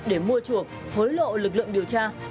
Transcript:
để mua chuộc hối lộ lực lượng điều tra